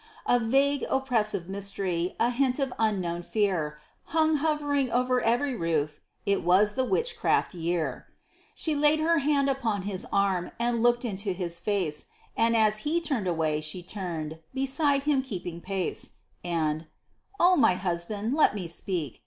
A vague, oppressive mystery, a hint of unknown fear, Hung hovering over every roof: it was the witchcraft year. She laid her hand upon his arm, and looked into his face, And as he turned away she turned, beside him keeping pace: And, "Oh, my husband, let me speak!"